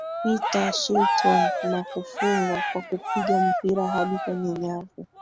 Peter Shilton na kufunga kwa kupiga mpira hadi kwenye wavu